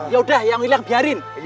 yaudah yang hilang biarin